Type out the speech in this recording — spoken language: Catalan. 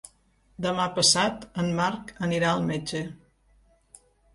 Demà passat en Marc anirà al metge.